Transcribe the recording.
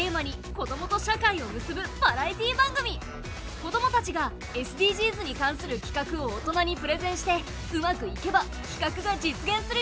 子どもたちがＳＤＧｓに関するきかくを大人にプレゼンしてうまくいけばきかくが実現するよ！